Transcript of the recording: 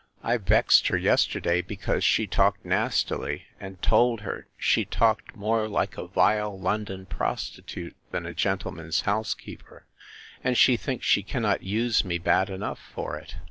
I vexed her yesterday, because she talked nastily; and told her she talked more like a vile London prostitute, than a gentleman's housekeeper; and she thinks she cannot use me bad enough for it.